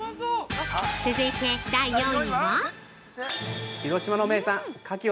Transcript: ◆続いて、第４位は？